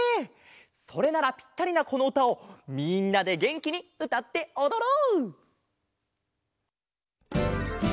それならピッタリなこのうたをみんなでげんきにうたっておどろう。